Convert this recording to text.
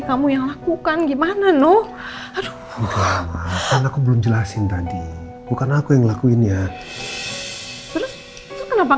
kamu yang lakukan gimana nuh aduh aku belum jelasin tadi bukan aku yang lakuin ya kenapa